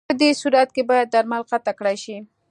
پدې صورت کې باید درمل قطع کړای شي.